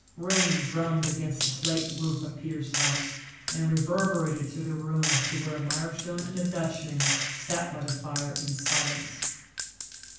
Rain drummed against the slate roof of Peter's house and reverberated through the rooms to where Mirestone and the Dutchman sat by the fire in silence.